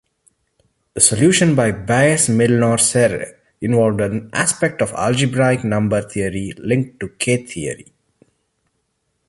The solution by Bass-Milnor-Serre involved an aspect of algebraic number theory linked to K-theory.